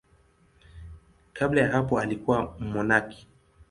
Kabla ya hapo alikuwa mmonaki.